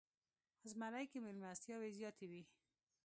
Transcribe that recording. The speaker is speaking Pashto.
زمری کې میلمستیاوې زیاتې وي.